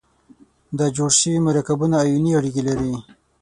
دا جوړ شوي مرکبونه آیوني اړیکې لري.